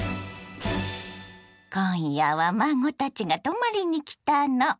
今夜は孫たちが泊まりに来たの。